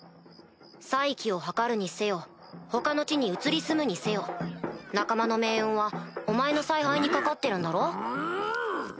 再起を図るにせよ他の地に移り住むにせよ仲間の命運はお前の采配にかかってるんだろ？